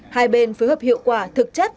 hai bên phối hợp hiệu quả thực chất